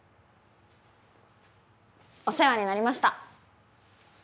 お世話になりました！